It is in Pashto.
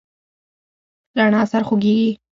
زما سر خوږیږي